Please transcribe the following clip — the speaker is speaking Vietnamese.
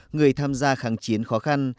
người tham gia kháng chiến khó khăn